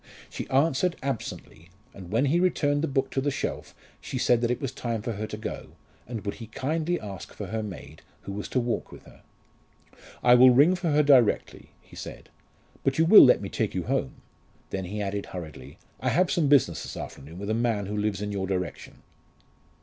She answered absently, and when he returned the book to the shelf she said that it was time for her to go, and would he kindly ask for her maid, who was to walk with her? "I will ring for her directly," he said. "But you will let me take you home?" Then he added hurriedly, "I have some business this afternoon with a man who lives in your direction."